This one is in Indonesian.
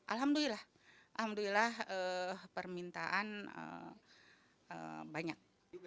alhamdulillah alhamdulillah permintaan banyak